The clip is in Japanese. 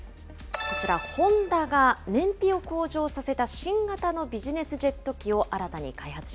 こちら、ホンダが燃費を向上させた新型のビジネスジェット機を新たに開発